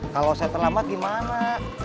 kalau saya terlambat gimana